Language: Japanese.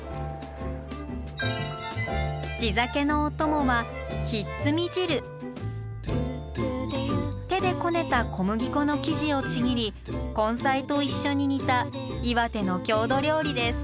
地酒のお供は手でこねた小麦粉の生地をちぎり根菜と一緒に煮た岩手の郷土料理です。